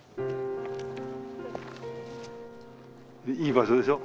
いい場所でしょ？